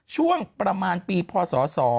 ช่วงประมาณปีพศ๒๕